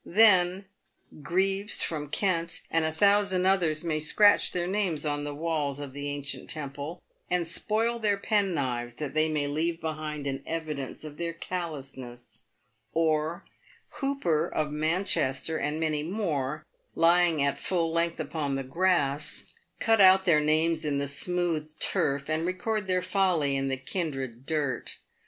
Then, " Greaves, from Kent," and a thousand others, may scratch their names on the walls of the ancient temple, and spoil their penknives that they may leave behind an evidence of their callousness ; or, " Hooper, of Manchester," and many more, lying at full length upon the grass, cut out their names in the smooth turf, and record their folly in the kindred dirt.